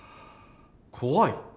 怖い？